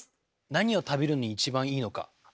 なにを食べるのに一番いいのか。